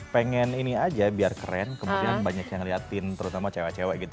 pengen ini aja biar keren kemudian banyak yang ngeliatin terutama cewek cewek gitu